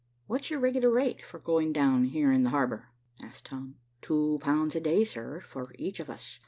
"What's your regular rate for going down here in the harbor?" asked Tom. "Two pounds a day, sir, for each of us.